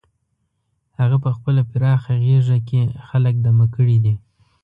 هغه په خپله پراخه غېږه کې خلک دمه کړي دي.